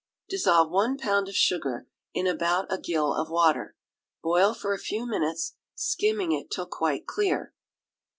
Dissolve one pound of sugar in about a gill of water, boil for a few minutes, skimming it till quite clear.